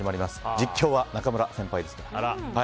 実況は中村先輩ですから。